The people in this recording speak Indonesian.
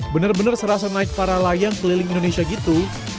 bener bener serasa naik para layang ke liling indonesia gitu